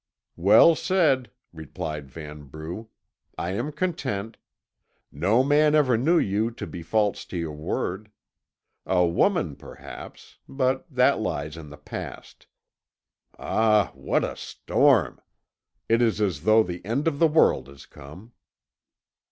"Well said," replied Vanbrugh. "I am content. No man ever knew you to be false to your word. A woman perhaps but that lies in the past. Ah, what a storm! It is as though the end of the world had come."